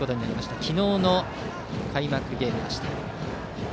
昨日の開幕ゲームでした。